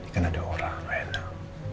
kan ada orang enak